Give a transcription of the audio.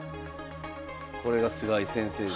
これが菅井先生ですね。